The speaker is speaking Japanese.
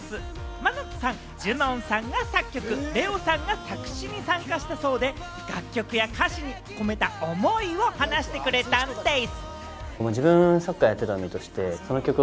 ＭＡＮＡＴＯさん、ＪＵＮＯＮさんが作曲、ＬＥＯさんが作詞に参加したそうで、楽曲や歌詞に込めた思いを話してくれたんでぃす。